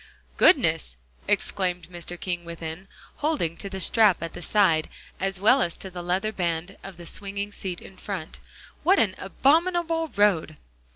"Goodness!" exclaimed Mr. King within, holding to the strap at the side, as well as to the leather band of the swinging seat in front. "What an abominable road!"